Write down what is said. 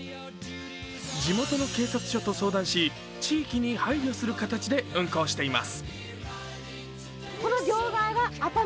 地元の警察署と相談し地域に配慮する形で運行しています。